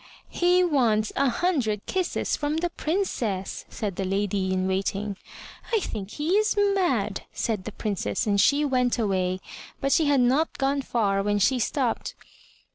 "He wants a hundred kisses from the Princess!" said the lady in waiting. "I think he is mad!" said the Princess, and she went away, but she had not gone far when she stopped.